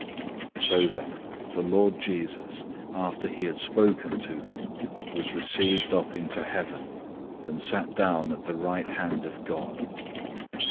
016:019 So then the Lord Jesus, after he had spoken to them, was received up into heaven, and sat down at the right hand of God.